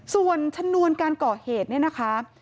ส่วนชนวนการก่อเหตุเนี่ยนะคะ